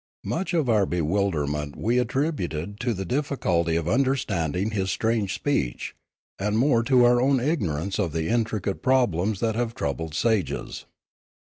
Much of our bewilderment we attributed to the difficulty of understanding his strange speech, and more to our own ignorance of the intricate problems that have troubled sages.